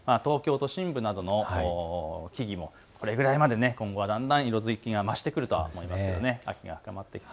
東京都心部などの木々もこれぐらいまで今後、だんだん色づきが増してくると思います。